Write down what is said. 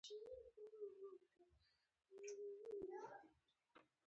دا مفکوره د مصرف کلتور سره یوځای شوې ده.